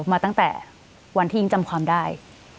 มาตั้งแต่วันที่อิงจำความได้